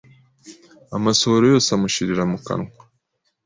amasohoro yose amushirira mu kannwa